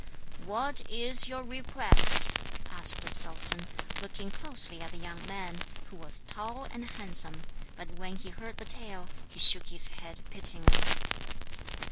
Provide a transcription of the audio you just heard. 'What is your request?' asked the sultan, looking closely at the young man, who was tall and handsome; but when he heard the tale he shook his head pityingly.